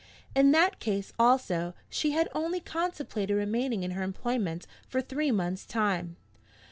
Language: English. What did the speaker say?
In that case also she had only contemplated remaining in her employment for three months' time.